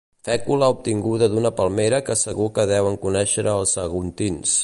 Fècula obtinguda d'una palmera que segur que deuen conèixer els saguntins.